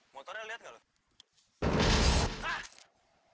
kok bengong gitu